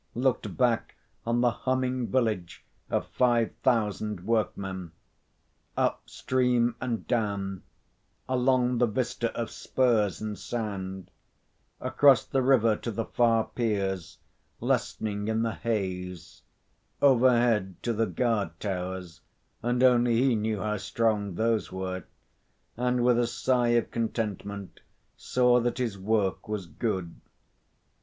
Looked back on the humming village of five thousand work men; up stream and down, along the vista of spurs and sand; across the river to the far piers, lessening in the haze; overhead to the guard towers and only he knew how strong those were and with a sigh of contentment saw that his work was good.